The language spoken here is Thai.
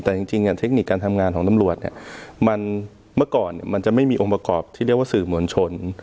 แต่จริงเทคนิคการทำงานของตำรวจเนี่ยมันเมื่อก่อนมันจะไม่มีองค์ประกอบที่เรียกว่าสื่อมวลชน